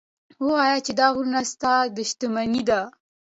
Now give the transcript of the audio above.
ووایه چې دا غرونه ستا شتمني ده.